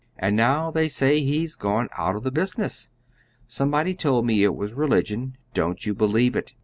And now they say he's gone out of the business. Somebody told me it was religion. Don't you believe it.